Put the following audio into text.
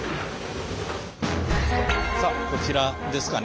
さあこちらですかね。